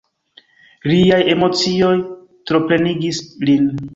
Liaj emocioj troplenigis lin.